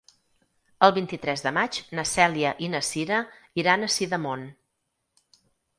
El vint-i-tres de maig na Cèlia i na Cira iran a Sidamon.